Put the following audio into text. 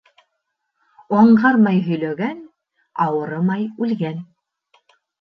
Аңғармай һөйләгән ауырымай үлгән.